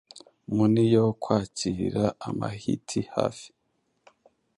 Muni yo kwakira abahyiti hafi